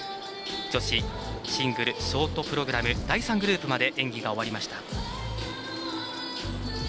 女子シングルショートプログラム第３グループまで演技が終わりました。